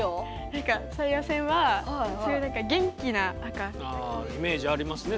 何かサーヤ線はそういう何かああイメージありますね